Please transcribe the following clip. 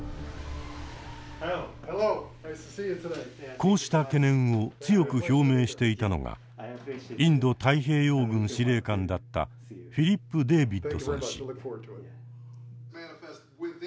こうした懸念を強く表明していたのがインド太平洋軍司令官だったフィリップ・デービッドソン氏。